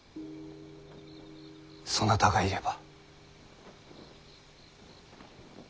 そなたがいれば。